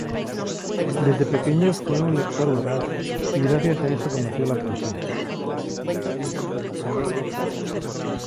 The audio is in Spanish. Desde pequeño fue un lector voraz y gracias a eso conoció la poesía.